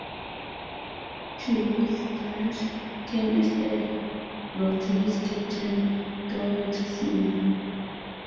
Cunego's strength came as a blow to his captain Gilberto Simoni.